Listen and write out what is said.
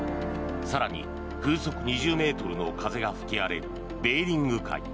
更に風速２０ｍの風が吹き荒れるベーリング海。